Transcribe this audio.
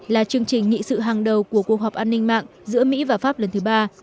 là chương trình nghị sự hàng đầu của cuộc họp an ninh mạng giữa mỹ và pháp lần thứ ba